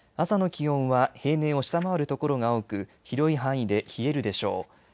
朝の気温は平年を下回るところが多く広い範囲で冷えるでしょう。